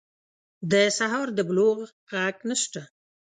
د سهار د بلوغ ږغ نشته